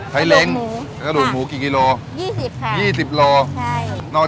ใช้กระดูกเล้ง